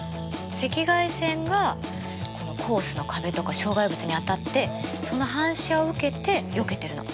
赤外線がこのコースの壁とか障害物に当たってその反射を受けてよけてるの。